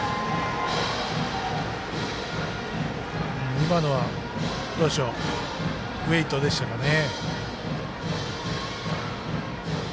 今のは、ウエイトでしたかね。